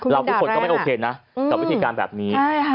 ทุกคนก็ไม่โอเคนะกับวิธีการแบบนี้